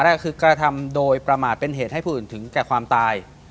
แรกคือกระทำโดยประมาทเป็นเหตุให้ผู้อื่นถึงแก่ความตาย